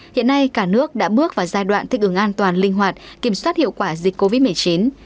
hiện nay cả nước đã bước vào giai đoạn thích ứng an toàn linh hoạt kiểm soát hiệu quả dịch covid một mươi chín